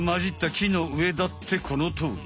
きのうえだってこのとおり。